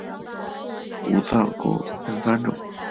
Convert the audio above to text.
武藏国忍藩主。